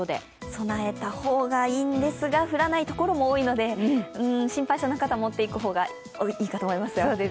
備えた方がいいんですが、降らない所も多いので、心配性な方は持っていく方がいいかと思います。